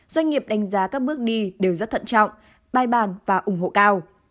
doanh nghiệp đánh giá các bước đi đều rất thận trọng bài bàn và ủng hộ cao